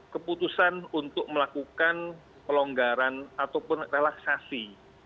keputusan untuk melakukan pelonggaran ataupun relaksasi